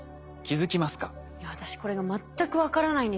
いや私これが全く分からないんですよ。